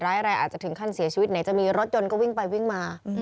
อะไรอาจจะถึงขั้นเสียชีวิตไหนจะมีรถยนต์ก็วิ่งไปวิ่งมา